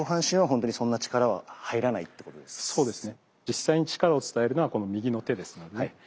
実際に力を伝えるのはこの右の手ですのでね。